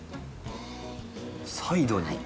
サイドに。